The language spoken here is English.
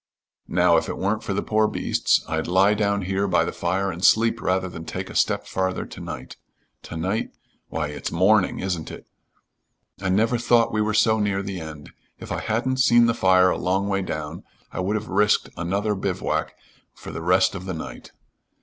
"Now if it weren't for the poor beasts, I'd lie down here by the fire and sleep rather than take a step farther to night. To night? Why it's morning! Isn't it? I never thought we were so near the end. If I hadn't seen the fire a long way down, I would have risked another bivouac for the rest of the night.